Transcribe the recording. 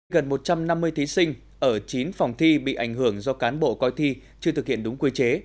gần một trăm năm mươi thí sinh ở chín phòng thi bị ảnh hưởng do cán bộ coi thi chưa thực hiện đúng quy chế